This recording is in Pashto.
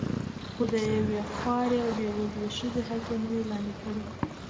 خو د یوې خوارې او بې وزلې ښځې حق یې نه دی لاندې کړی.